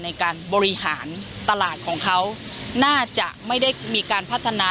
ในการบริหารตลาดของเขาน่าจะไม่ได้มีการพัฒนา